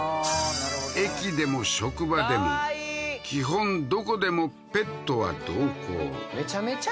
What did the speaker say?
駅でも職場でも基本どこでもペットは同行めちゃめちゃ